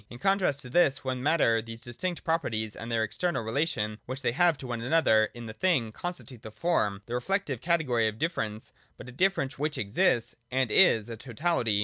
In contrast to this one Matter these distinct properties and their external relation which they have to one another in the thing, constitute the Form, — the reflective category of differ ence, but a difference which exists and is a totality.